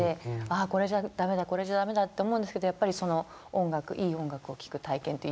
ああこれじゃ駄目だこれじゃ駄目だって思うんですけどやっぱりその音楽いい音楽を聴く体験って唯一無二で。